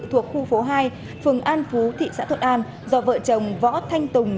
thuộc khu phố hai phường an phú thị xã thuận an do vợ chồng võ thanh tùng